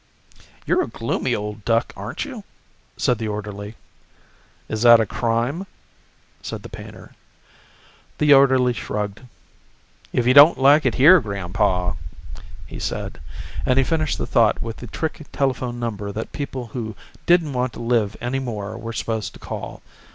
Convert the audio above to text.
"You're a gloomy old duck, aren't you?" said the orderly. "Is that a crime?" said the painter. The orderly shrugged. "If you don't like it here, Grandpa " he said, and he finished the thought with the trick telephone number that people who didn't want to live any more were supposed to call.